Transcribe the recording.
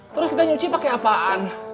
terus kita nyuci pakai apaan